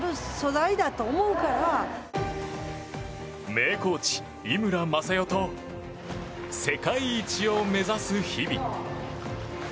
名コーチ、井村雅代と世界一を目指す日々。